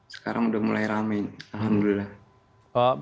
sekarang udah mulai rame alhamdulillah